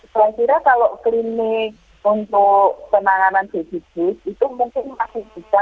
saya kira kalau klinik untuk penanganan medis itu mungkin masih bisa